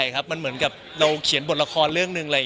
แต่ว่าเราสองคนเห็นตรงกันว่าก็คืออาจจะเรียบง่าย